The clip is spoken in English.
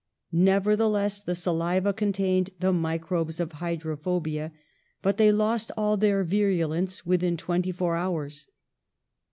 Nevertheless, the saliva contained the microbes of hydrophobia, but they lost all their virulence within twenty four hours.